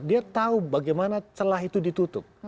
dia tahu bagaimana celah itu ditutup